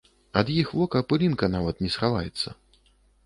Ад іх вока пылінка нават не схаваецца.